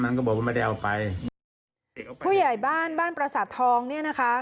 ก็บอกว่าไม่ได้เอาไปผู้ใหญ่บ้านบ้านประสาททองเนี่ยนะคะ